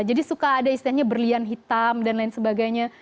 jadi suka ada istilahnya berlian hitam dan lain sebagainya